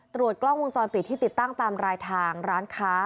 ตรวจกล้องวงจรปิดที่ติดตั้งตามรายทางร้านค้า